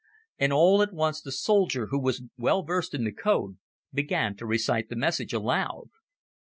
And all at once the soldier, who was well versed in the code, began to recite the message aloud.